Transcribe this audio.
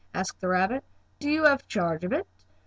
asked the rabbit. "Do you have charge of it?"